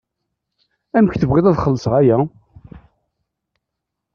Amek tebɣiḍ ad xellṣeɣ aya?